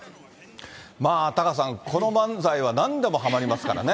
タカさん、この漫才はなんでもはまりますからね。